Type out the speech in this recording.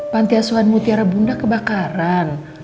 panti asuhan mutiara bunda kebakaran